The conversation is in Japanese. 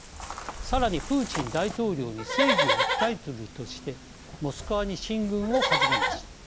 さらにプーチン大統領に正義を訴えるとしてモスクワに進軍を始めました。